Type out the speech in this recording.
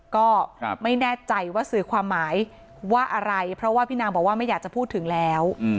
ก็ไม่แน่ใจว่าสื่อความหมายว่าอะไรเพราะว่าพี่นางบอกว่าไม่อยากจะพูดถึงแล้ว